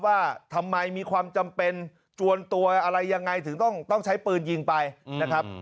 ว่าทำไมมีความจำเป็นจวนตัวอะไรยังไงถึงต้องใช้ปืนยิงไปนะครับ